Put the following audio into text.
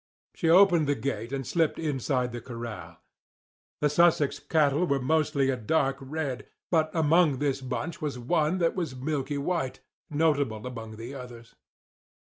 She opened the gate and slipped inside the corral. The Sussex cattle were mostly a dark red. But among this bunch was one that was milky white—notable among the others.